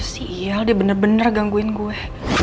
sial dia bener bener gangguin gua